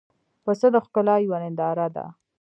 پسه د ښکلا یوه ننداره ده.